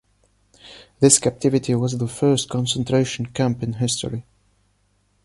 This captivity was the first concentration camp in history.